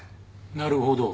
なるほど。